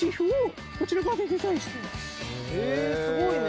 へぇすごいね。